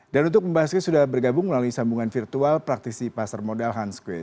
dan untuk membahasnya sudah bergabung melalui sambungan virtual praktisi pasar modal hans kueh